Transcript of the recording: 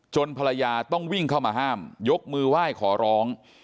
ภรรยาต้องวิ่งเข้ามาห้ามยกมือไหว้ขอร้อง